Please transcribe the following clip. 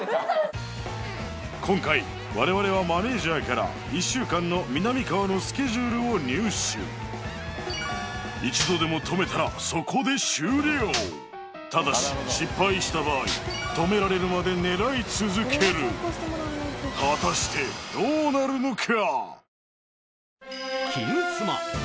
今回我々はマネージャーから１週間のみなみかわのスケジュールを入手一度でも止めたらそこで終了ただし失敗した場合止められるまで狙い続ける果たしてどうなるのか？